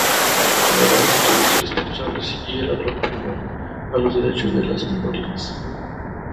Generó actitudes irresponsables y el atropello a los derechos de las minorías.